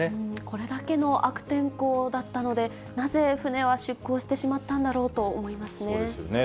これだけの悪天候だったので、なぜ船は出港してしまったんだろうと思いますね。